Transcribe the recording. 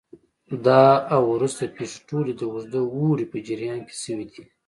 دا او وروسته پېښې ټولې د اوږده اوړي په جریان کې شوې دي